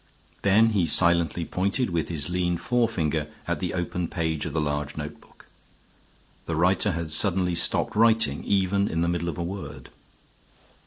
Then he silently pointed with his lean forefinger at the open page of the large notebook. The writer had suddenly stopped writing, even in the middle of a word.